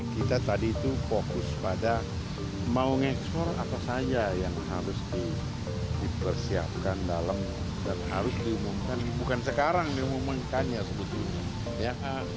kita tadi itu fokus pada mau ekspor apa saja yang harus dipersiapkan dalam dan harus diumumkan bukan sekarang diumumkannya sebetulnya